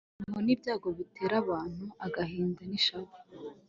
umuruho nibyago biterabantu agahinda nishavu